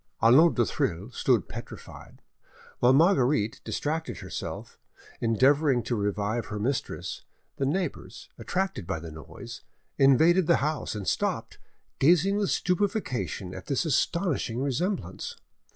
Arnauld du Thill stood petrified. While Marguerite, distracted herself, endeavoured to revive her mistress, the neighbours, attracted by the noise, invaded the house, and stopped, gazing with stupefaction at this astonishing resemblance.